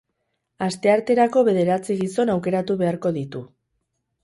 Astearterako bederatzi gizon aukeratu beharko ditu.